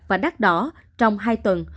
và đắt đỏ trong hai tuần